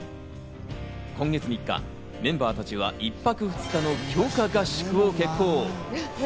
今月３日、メンバーたちは１泊２日の強化合宿を決行。